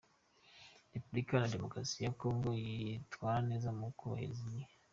Repubulika Iharanira Demokarasi ya Congo yitwara neza mu kubahiriza igihe,.